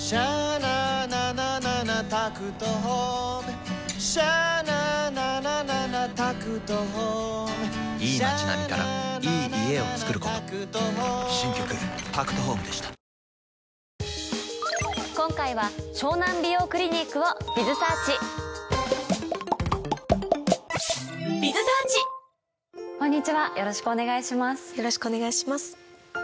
よろしくお願いします。